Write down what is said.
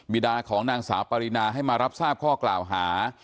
ดาของนางสาวปรินาให้มารับทราบข้อกล่าวหา